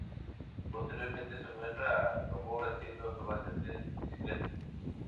Posteriormente, se muestra a Gabor haciendo acrobacias en bicicleta.